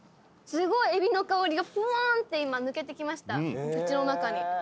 すごいエビの香りがふわんって今抜けてきました口の中に。